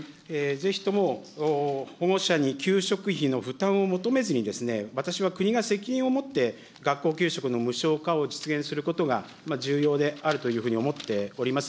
ぜひとも保護者に給食費の負担を求めずにですね、私は国が責任を持って学校給食の無償化を実現することが重要であるというふうに思っております。